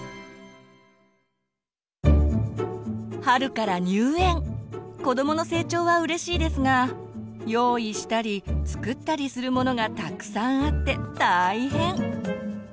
春から入園子どもの成長はうれしいですが用意したり作ったりするものがたくさんあって大変。